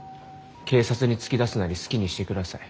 警察に突き出すなり好きにしてください。